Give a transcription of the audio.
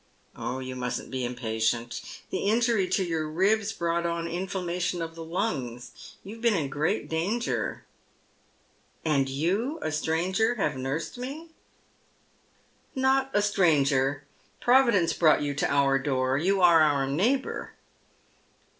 " You mustn't be impatient. The injury to your ribs brought on inflammation of the lungs. You have been in gi eat danger." " And you — a stranger — have nursed me ?"" Not a stranger. Providence brought you to our door ; you are our neighbour."